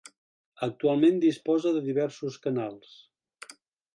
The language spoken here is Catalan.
Actualment disposa de diversos canals.